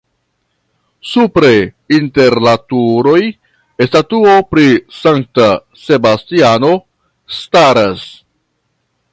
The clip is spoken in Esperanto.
Supre inter la turoj statuo pri Sankta Sebastiano staras.